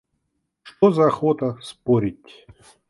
Что за охота спорить?